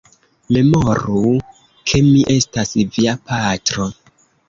Memoru, ke mi estas via patro!